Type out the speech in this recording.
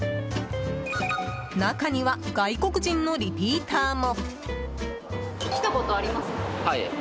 中には、外国人のリピーターも。